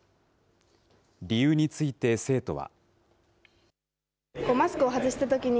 理由について生徒は。